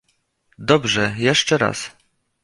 "dobrze, jeszcze raz!"